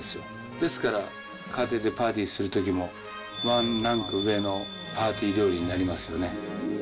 ですから、家庭でパーティーするときも、ワンランク上のパーティー料理になりますよね。